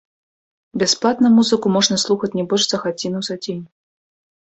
Бясплатна музыку можна слухаць не больш за гадзіну за дзень.